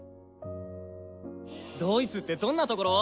ドイツってどんなところ？